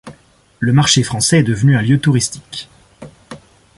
Le Marché français est devenu un lieu touristique.